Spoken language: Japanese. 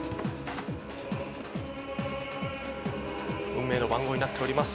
運命の番号になっております。